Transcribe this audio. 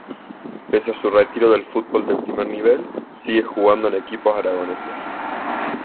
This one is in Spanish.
Pese a su retiro del fútbol de primer nivel, sigue jugando en equipos aragoneses.